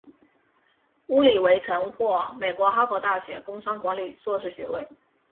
乌里韦曾获美国哈佛大学工商管理硕士学位。